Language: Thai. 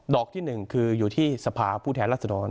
ดอกที่หนึ่งคืออยู่ที่สภาพูดแทนรัศนรรย์